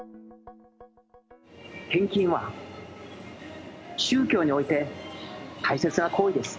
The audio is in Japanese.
献金は宗教において大切な行為です。